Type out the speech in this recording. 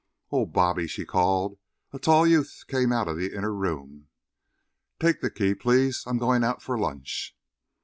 "Oh, Bobby," she called. A tall youth came out of an inner room. "Take the key, please; I'm going out for lunch."